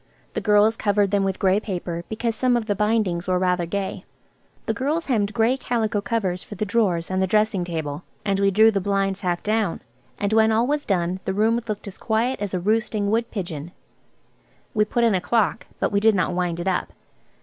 The girls covered them with grey paper, because some of the bindings were rather gay. The girls hemmed grey calico covers for the drawers and the dressing table, and we drew the blinds half down, and when all was done the room looked as quiet as a roosting wood pigeon. We put in a clock, but we did not wind it up.